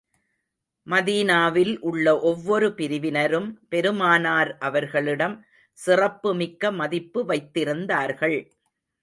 மதீனாவில் உள்ள ஒவ்வொரு பிரிவினரும், பெருமானார் அவர்களிடம் சிறப்பு மிக்க மதிப்பு வைத்திருந்தார்கள்.